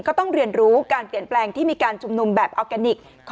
ก็ต้องเรียนรู้การเปลี่ยนแปลงที่มีการชุมนุมแบบออร์แกนิค